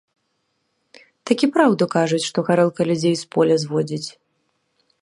Такі праўду кажуць, што гарэлка людзей з поля зводзіць.